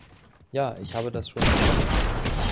Ja, ich habe das schon verstanden.